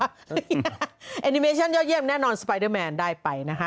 แต่อินิเมชั่นยอดเยี่ยมแน่นอนสปาดาแมนได้ไปแล้ว